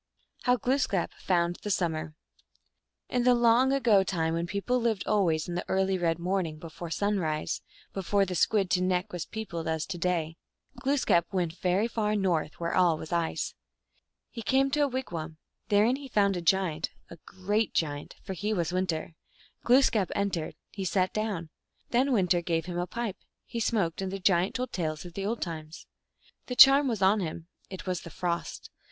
How Glooskap found the Summer. In the long ago time when people lived always in the early red morning, before sunrise, before the Squid to neck was peopled as to day, Glooskap went very far north, where all was ice. He came to a wigwam. Therein he found a giant, a great giant, for he was Winter. Glooskap entered ; he sat down. Then Winter gave him a pipe ; he smoked, and the giant told tales of the old times. The charm was 011 him ; it was the Frost.